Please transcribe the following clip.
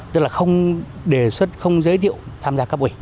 tức là không đề xuất không giới thiệu tham gia các quỷ